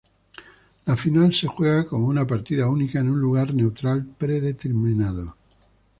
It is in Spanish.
La final se juega como una partida única en un lugar neutral predeterminado.